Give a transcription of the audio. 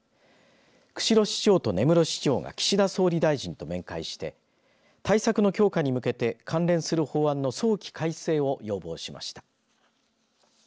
釧路市長と根室市長が岸田総理大臣と面会して対策の強化に向けて関連する法律の早期改正を要望しました。